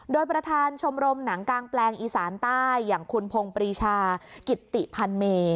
โดยประธานชมรมหนังกางแปลงอีสานใต้อย่างคุณพงปรีชากิตติพันเม